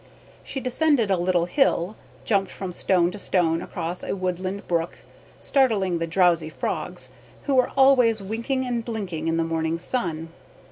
She descended a little hill, jumped from stone to stone across a woodland brook, startling the drowsy frogs, who were always winking and blinking in the morning sun.